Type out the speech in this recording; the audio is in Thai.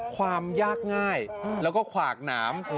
ความยากง่ายแล้วก็ขวากหนาม